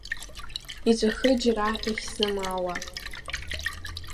Иҵәахы џьара иахьзымаауа.